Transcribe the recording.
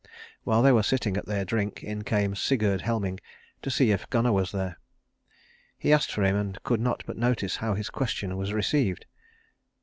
While they were sitting at their drink in came Sigurd Helming to see if Gunnar was there. He asked for him and could not but notice how his question was received.